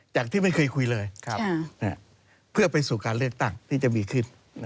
จากที่ไม่เคยคุยเลยเพื่อไปสู่การเลือกตั้งที่จะมีขึ้น